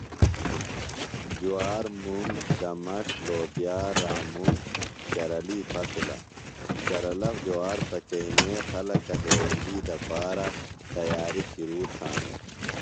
جوار ،منگ ،دمݜ ،لوبیا رامنگ شرلی فصلہ شرلہ جوار پچینے خلکہ ہیوندی دپارہ تیاری شرو تھانہ۔